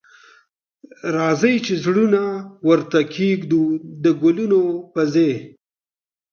راځئ چې زړونه ورته کښیږدو د ګلونو پر ځای